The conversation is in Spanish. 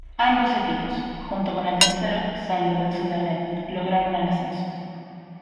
Ambos equipos, junto con el tercero, San Lorenzo de Alem, lograron el ascenso.